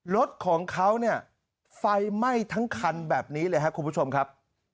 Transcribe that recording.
รถของเขาไฟไหม้ทั้งคันแบบนี้กับคุณผู้ชมครับ